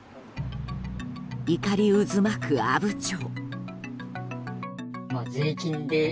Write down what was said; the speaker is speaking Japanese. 怒り渦巻く阿武町。